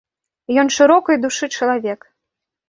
Ён шырокай душы чалавек.